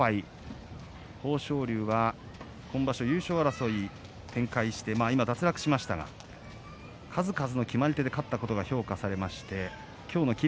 豊昇龍は今場所、優勝争い展開して脱落しましたが数々の決まり手で勝ったことが評価されまして今日の霧